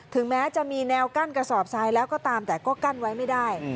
แม้จะมีแนวกั้นกระสอบทรายแล้วก็ตามแต่ก็กั้นไว้ไม่ได้